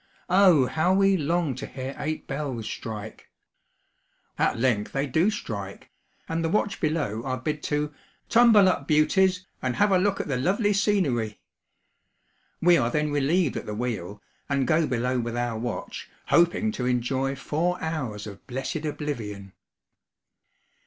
Oh, how we long to hear eight bells strike! At length they do strike, and the watch below are bid to 'tumble up, Beauties, and have a look at the lovely scenery!' We are then relieved at the wheel, and go below with our watch, hoping to enjoy four hours of blessed oblivion.